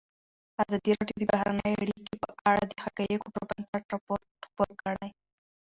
ازادي راډیو د بهرنۍ اړیکې په اړه د حقایقو پر بنسټ راپور خپور کړی.